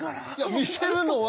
見せるのは。